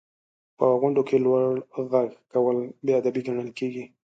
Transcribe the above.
• په غونډو کې لوړ ږغ کول بې ادبي ګڼل کېږي.